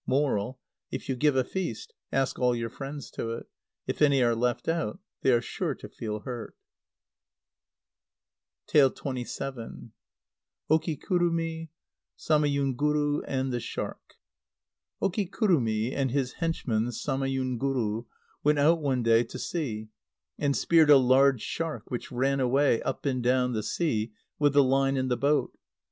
Moral: If you give a feast, ask all your friends to it. If any are left out, they are sure to feel hurt.] xxvii. Okikurumi, Samayunguru, and the Shark. Okikurumi and his henchman Samayunguru went out one day to sea, and speared a large shark, which ran away, up and down the sea, with the line and the boat.